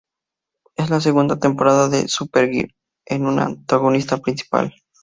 En la segunda temporada de "Supergirl" es un antagonista principal.